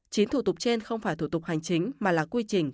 chín thủ tục trên không phải thủ tục hành chính mà là quy trình